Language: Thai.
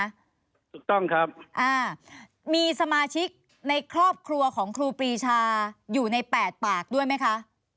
ถูกต้องครับอ่ามีสมาชิกในครอบครัวของครูปรีชาอยู่ในแปดปากด้วยไหมคะ